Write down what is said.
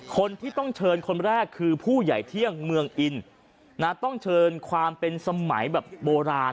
คนที่ต้องเชิญคนแรกคือผู้ใหญ่เที่ยงเมืองอินต้องเชิญความเป็นสมัยแบบโบราณ